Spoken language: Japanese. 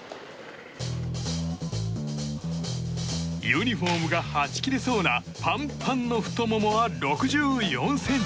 ユニホームがはち切れそうなパンパンの太ももは６４ｃｍ。